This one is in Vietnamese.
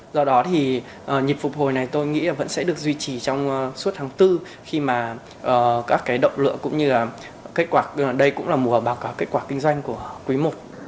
do đó thì nhịp phục hồi này tôi nghĩ là vẫn sẽ được duy trì trong suốt tháng bốn khi mà các cái động lựa cũng như là kết quả đây cũng là mùa báo cáo kết quả kinh doanh của quý mục